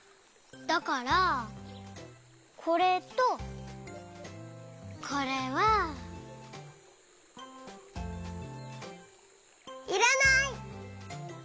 だからこれとこれは。いらない！